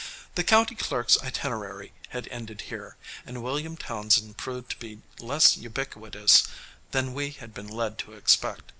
The county clerk's itinerary had ended here, and William Townsend proved to be less ubiquitous than we had been led to expect.